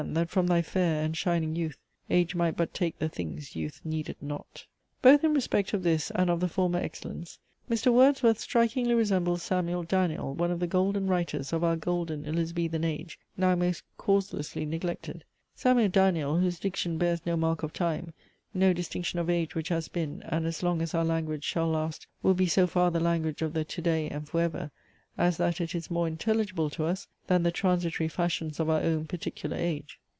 That from thy fair and shining youth Age might but take the things Youth needed not." Both in respect of this and of the former excellence, Mr. Wordsworth strikingly resembles Samuel Daniel, one of the golden writers of our golden Elizabethan age, now most causelessly neglected: Samuel Daniel, whose diction bears no mark of time, no distinction of age which has been, and as long as our language shall last, will be so far the language of the to day and for ever, as that it is more intelligible to us, than the transitory fashions of our own particular age.